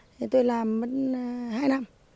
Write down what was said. thế tôi làm mất hai năm